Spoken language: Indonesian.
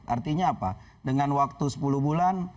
artinya apa dengan waktu sepuluh bulan